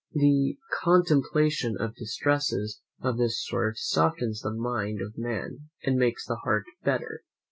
The contemplation of distresses of this sort softens the mind of man, and makes the heart better.